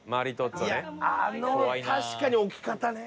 いやあの確かに置き方ね。